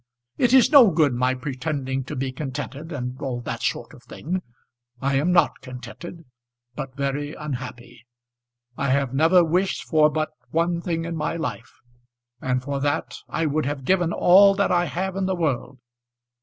It is no good my pretending to be contented, and all that sort of thing. I am not contented, but very unhappy. I have never wished for but one thing in my life; and for that I would have given all that I have in the world.